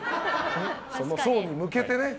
その層に向けてね。